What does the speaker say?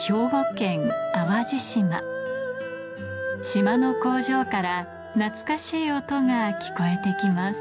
島の工場から懐かしい音が聞こえて来ます